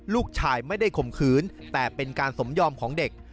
ลูกชายไม่ได้ข่มขืนแต่เป็นการสมยอมของเด็ก